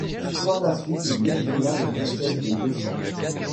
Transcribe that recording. Par la suite il désigna le Conseil des Deux-Cents.